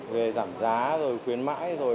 về giảm giá rồi khuyến mại rồi